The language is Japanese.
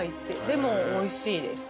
でもおいしいです。